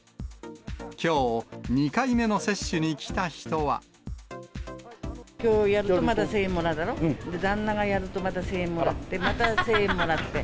きょう、２回目の接種に来たきょうやるとまた１０００円もらえるだろ、旦那がやるとまた１０００円もらって、また１０００円もらって。